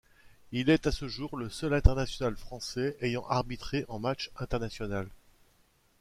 Il est à ce jour le seul international français ayant arbitré en match international.